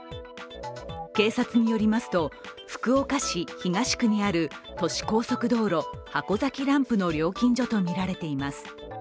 警察に寄りますと、福岡市東区にある都市高速道路・箱崎ランプの料金所とみられています。